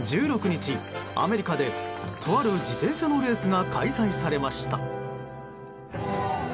１６日、アメリカでとある自転車のレースが開催されました。